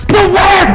saya tidak berniat six